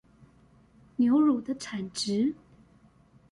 牛乳的產值